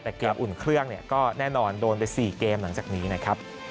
แต่เกมอุ่นเครื่องเนี่ยก็แน่นอนโดนไป๔เกมหลังจากนี้นะครับ